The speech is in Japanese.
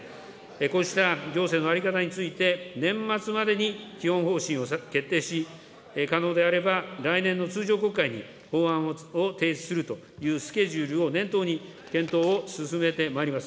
こうした行政の在り方について、年末までに基本方針を決定し、可能であれば来年の通常国会に法案を提出するというスケジュールを念頭に、検討を進めてまいります。